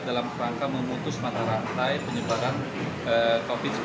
dalam rangka memutus mata rantai penyebaran covid sembilan belas